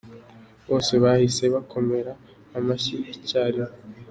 " Bose bahise bakomera amashyi icyarimwe.